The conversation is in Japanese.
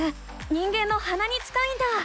人間のはなに近いんだ！